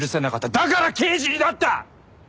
だから刑事になった！